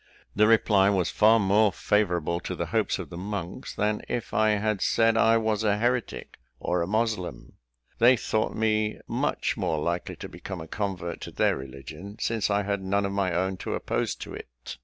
The reply was far more favourable to the hopes of the monks, than if I had said I was a heretic or a moslem. They thought me much more likely to become a convert to their religion, since I had none of my own to oppose to it.